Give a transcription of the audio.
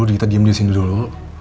kita diem di sini dulu